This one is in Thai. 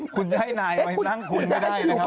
คุณได้ให้นายเอาให้นั่งนางคุณไม่ได้นะครับ